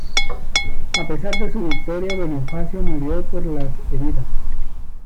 A pesar de su victoria, Bonifacio murió por las heridas.